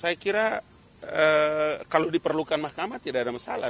saya kira kalau diperlukan mahkamah tidak ada masalah